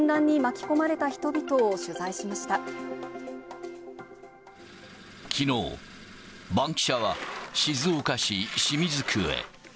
きのう、バンキシャは静岡市清水区へ。